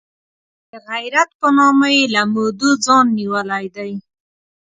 د غیرت په نامه یې له مودو ځان نیولی دی.